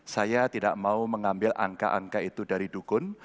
saya tidak mau mengambil angka angka itu dari dukun